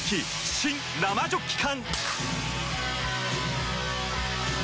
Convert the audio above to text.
新・生ジョッキ缶！